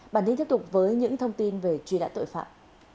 bản tin tiếp tục với những thông tin về truy nã tội phạm